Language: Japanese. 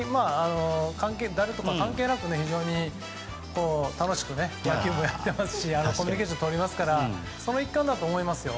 誰とか関係なく非常に楽しく野球をやってますしコミュニケーションをとりますからその一環だと思いますよ。